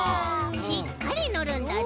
しっかりのるんだぞう。